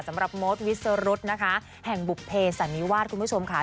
สำหรับโมสวิสรุธนะคะแห่งบุภิสันนิวาสคุณผู้ชมค่ะ